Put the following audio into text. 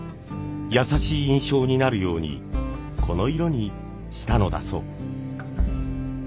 優しい印象になるようにこの色にしたのだそう。